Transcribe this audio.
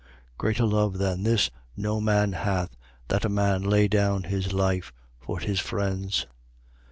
15:13. Greater love than this no man hath, that a man lay down his life for his friends.